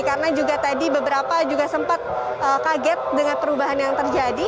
karena juga tadi beberapa juga sempat kaget dengan perubahan yang terjadi